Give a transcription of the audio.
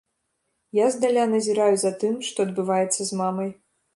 Я здаля назіраю за тым, што адбываецца з мамай.